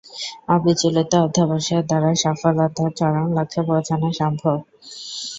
অবিচলিত অধ্যবসায়ের দ্বারা সফলতার চরম লক্ষ্যে পৌছানো সম্ভব।